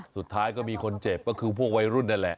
สุดท้ายก็มีคนเจ็บก็คือพวกวัยรุ่นนั่นแหละ